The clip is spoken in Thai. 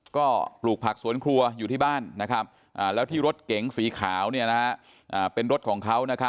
ก็ปลูกผักสวนครัวอยู่ที่บ้านแล้วที่รถเก๋งสีขาวเป็นรถของเขา